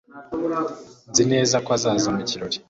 Nzi neza ko azaza mu kirori